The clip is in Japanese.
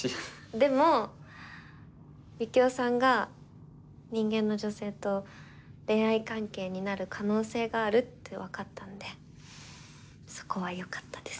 でもユキオさんが人間の女性と恋愛関係になる可能性があるって分かったんでそこはよかったです。